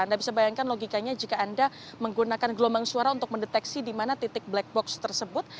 anda bisa bayangkan logikanya jika anda menggunakan gelombang suara untuk mendeteksi di mana titik black box tersebut